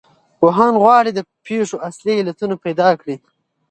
پوهان غواړي د پېښو اصلي علتونه پیدا کړو.